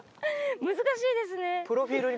難しいですね